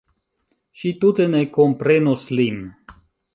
Ŝi tute ne komprenus lin.